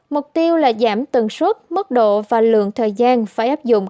mục tiêu là giảm tần suất mức độ và lượng thời gian phải áp dụng